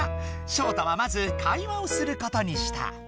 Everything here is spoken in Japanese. ショウタはまず会話をすることにした。